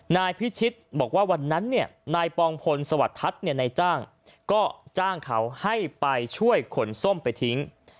นายพิชิตบอกว่าวันนั้นเนี่ยนายปองพลสวัสดิ์ทัศน์นายจ้างก็จ้างเขาให้ไปช่วยขนส้มไปทิ้ง